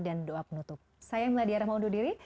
dan doa penutup saya meladya rahmah undur diri